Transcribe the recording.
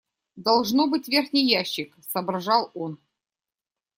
Должно быть, верхний ящик, — соображал он.